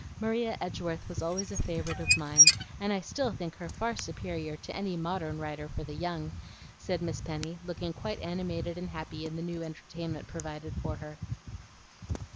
Maria Edgeworth was always a favorite of mine, and I still think her far superior to any modern writer for the young," said Miss Penny, looking quite animated and happy in the new entertainment provided for her.